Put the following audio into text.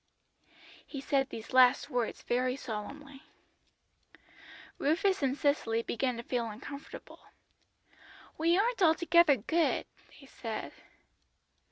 "He said these last words very solemnly. "Rufus and Cicely began to feel uncomfortable. "'We aren't altogether good,' they said.